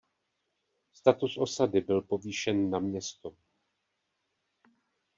Status osady byl povýšen na město.